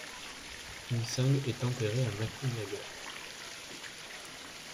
Imseng est enterré à Macugnaga.